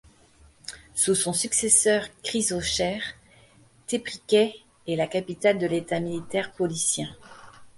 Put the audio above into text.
Sous son successeur Chrysocheir, Téphrikè est la capitale de l'État militaire paulicien.